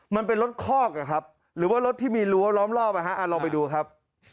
มันเป็นรถคอกอะครับหรือว่ารถที่มีรั้วล้อมรอบลองไปดูครับ